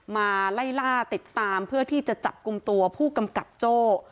มาไล่ล่าติดตามเพื่อที่จะจับกลุ่มตัวผู้กำกับโจ้